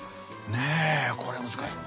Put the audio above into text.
ねえこれは難しい。